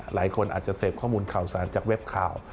หลายคนอาจจะเสพข้อมูลข่าวสารจากเว็บข่าว